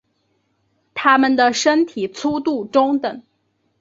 它们的身体粗度中等。